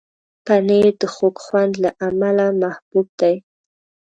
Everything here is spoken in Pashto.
پنېر د خوږ خوند له امله محبوب دی.